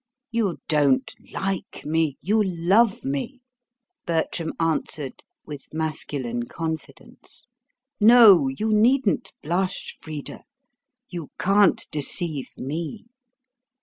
"You DON'T like me; you LOVE me," Bertram answered with masculine confidence. "No, you needn't blush, Frida; you can't deceive me....